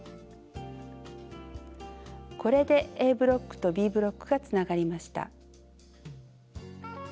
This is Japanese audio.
これでＡブロックとＢブロックがつながりました。